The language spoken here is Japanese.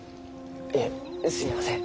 いえすみません。